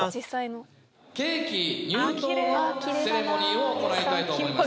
ケーキ入刀のセレモニーを行いたいと思います。